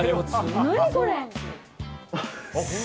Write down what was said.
何これ？